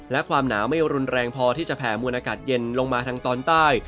และความหนาวไม่รุนแรงพอที่จะแผ่มวลอากาศเย็นลงมาทางตอนใต้